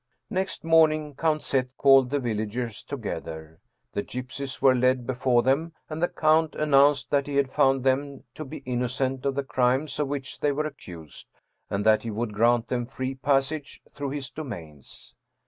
Next morning Count Z. called the villagers together. The gypsies were led before them and the count announced that he had found them to be innocent of the crimes of which they were accused, and that he would grant them free passage through his domains.